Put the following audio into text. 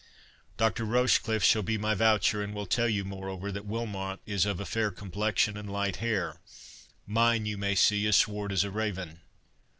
Doctor Rochecliffe shall be my voucher, and will tell you, moreover, that Wilmot is of a fair complexion and light hair; mine, you may see, is swart as a raven."